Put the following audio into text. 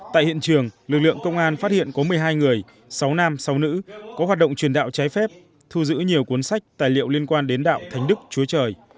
tại hiện trường lực lượng công an phát hiện có một mươi hai người sáu nam sáu nữ có hoạt động truyền đạo trái phép thu giữ nhiều cuốn sách tài liệu liên quan đến đạo thánh đức chúa trời